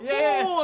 puh semuanya kabur